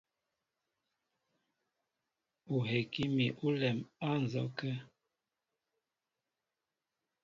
Ó heki mi ólɛm á nzɔkə̂.